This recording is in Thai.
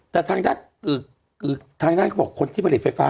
แต่ทางด้านอึกอึกทางด้านก็บอกคนที่ผลิตไฟฟ้า